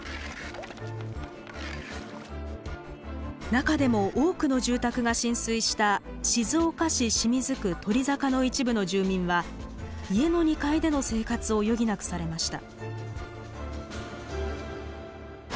中でも多くの住宅が浸水した静岡市清水区鳥坂の一部の住民は家の２階での生活を余儀なくされました。